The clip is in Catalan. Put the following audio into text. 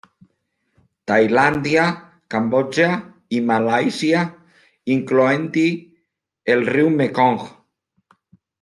Tailàndia, Cambodja i Malàisia, incloent-hi el riu Mekong.